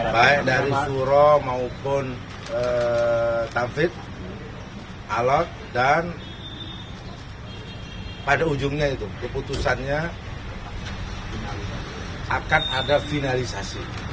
baik dari suro maupun tafit alot dan pada ujungnya itu keputusannya akan ada finalisasi